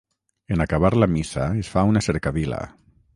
En acabar la missa, es fa una cercavila.